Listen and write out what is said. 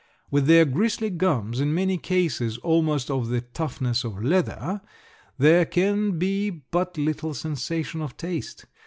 With their gristly gums, in many cases almost of the toughness of leather, there can be but little sensation of taste.